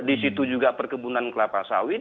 di situ juga perkebunan kelapa sawit